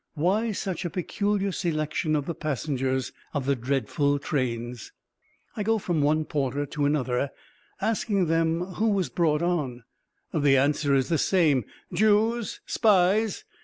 Why such a peculiar selection of the passengers of the dreadful trains? I go from one porter to another, asking them who was brought on. The answer is the same: "Jews, spies...."